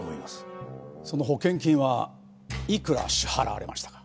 その保険金はいくら支払われましたか？